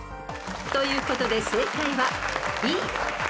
［ということで正解はＢ］